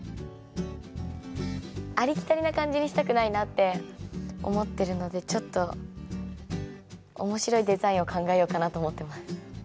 ありきたりな感じにしたくないなって思ってるのでちょっと面白いデザインを考えようかなと思ってます。